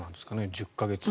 １０か月。